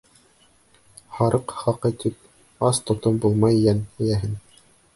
— Һарыҡ хаҡы тип, ас тотоп булмай йән эйәһен.